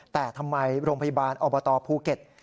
แต่ทำไมโรงพยาบาลอบตภูเก็ต